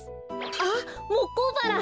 あっモッコウバラ！